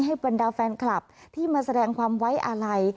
บรรดาแฟนคลับที่มาแสดงความไว้อาลัย